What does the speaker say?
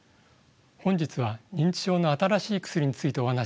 本日は認知症の新しい薬についてお話ししたいと思います。